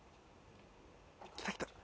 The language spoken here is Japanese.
来た来た。